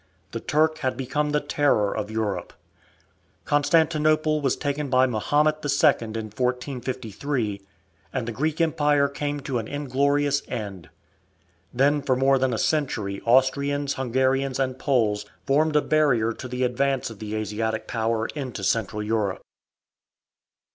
The Turk had become the terror of Europe. Constantinople was taken by Mahomet II in 1453, and the Greek Empire came to an inglorious end. Then for more than a century Austrians, Hungarians, and Poles formed a barrier to the advance of the Asiatic power into Central Europe.